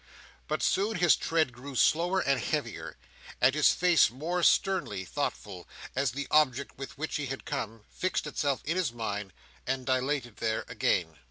But soon his tread grew slower and heavier, and his face more sternly thoughtful; as the object with which he had come, fixed itself in his mind, and dilated there again.